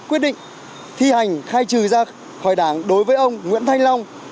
quyết định thi hành khai trừ ra khỏi đảng đối với ông nguyễn thanh long